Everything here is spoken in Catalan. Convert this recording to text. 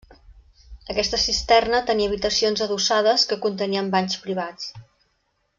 Aquesta cisterna tenia habitacions adossades que contenien banys privats.